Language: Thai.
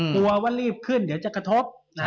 กลัวว่ารีบขึ้นเดี๋ยวจะกระทบ